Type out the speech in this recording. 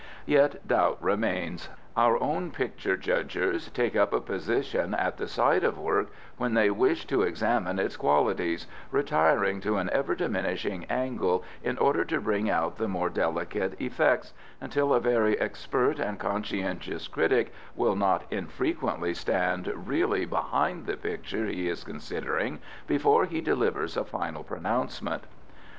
Yet doubt remains. Our own picture judgers take up a position at the side of work when they with to examine its qualities, retiring to an ever diminishing angle in order to bring out the more delicate effects, until a very expert and conscientious critic will not infrequently stand really behind the picture he is considering before he delivers a final pronouncement.